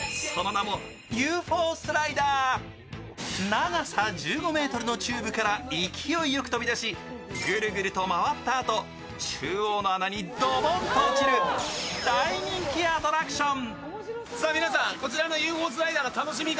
長さ１５ｍのチューブから勢いよく飛び出し、ぐるぐると回ったあと中央の穴にドボンと落ちる大人気アトラクション。